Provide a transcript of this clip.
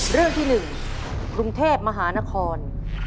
เรื่องที่๑กรุงเทพมหานคร